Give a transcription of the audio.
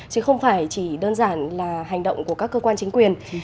chứ không phải chỉ đơn giản là hành động của các cơ quan chính quyền